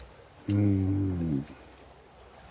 うん。